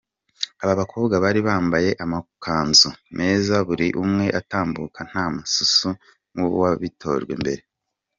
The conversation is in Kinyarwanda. Abakobwa bari bambaye amakunzu meza buri umwe atambuka nta mususu nk’uwabitojwe mbere.